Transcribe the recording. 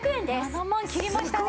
７万切りましたね。